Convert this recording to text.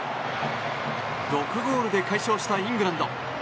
６ゴールで快勝したイングランド。